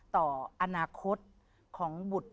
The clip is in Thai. ต่ออนาคตของบุตร